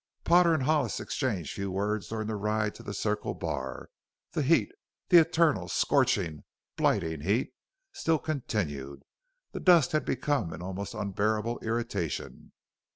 Potter and Hollis exchanged few words during the ride to the Circle Bar. The heat the eternal, scorching, blighting heat still continued; the dust had become an almost unbearable irritation.